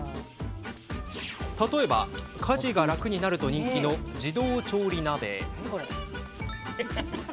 例えば、家事が楽になると人気の自動調理鍋。